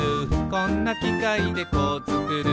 「こんなきかいでこうつくる」